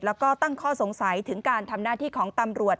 แล้วก็ตั้งข้อสงสัยถึงการทำหน้าที่ของตำรวจ